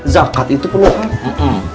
zakat itu perlu harta